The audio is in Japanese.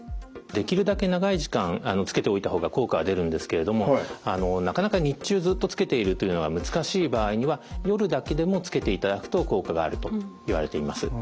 できるだけ長い時間着けておいた方が効果は出るんですけれどもあのなかなか日中ずっと着けているというのが難しい場合には夜だけでも着けていただくと効果があるといわれています。